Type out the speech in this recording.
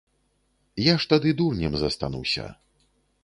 Я ж тады дурнем застануся.